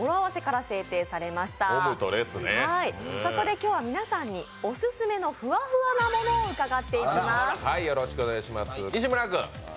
今日は皆さんにオススメのフワフワなものを伺っていきます。